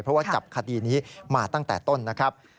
เพราะว่าจับคดีนี้มาตั้งแต่ต้นนะครับ